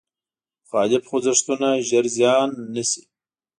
مخالف خوځښتونه ژر زیان نه شي.